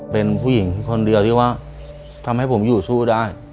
เป็นผู้หญิงคนเดียวที่ว่าทำให้ผมอยู่สู้ได้